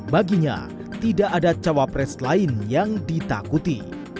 baginya tidak ada cawapres lain yang ditakuti